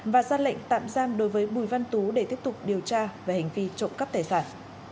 và ra lệnh tạm giam đối với bùi văn tú để tiếp tục điều tra về hành vi trộm cắp tài sản